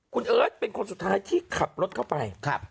คุณเอิร์ทเป็นคนสุดท้ายที่ขับรถเข้าไป